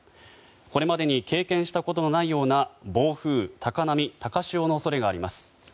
これまでに経験したことのないような暴風、高波、高潮の恐れがあります。